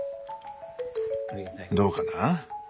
どうかな？